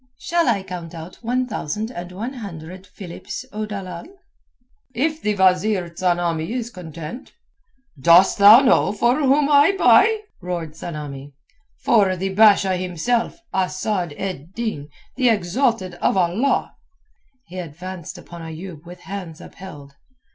"Shall I count out one thousand and one hundred philips, O dalal." "If the wazeer Tsamanni is content." "Dost thou know for whom I buy?" roared Tsamanni. "For the Basha himself, Asad ed Din, the exalted of Allah," He advanced upon Ayoub with hands upheld.